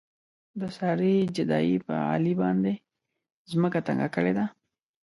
د سارې جدایۍ په علي باندې ځمکه تنګه کړې ده.